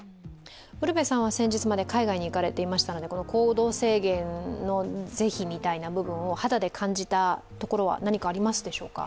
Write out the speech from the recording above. ウルヴェさんは先日まで海外に行かれていましたので行動制限の是非みたいなものを肌で感じたところは何かありますでしょうか？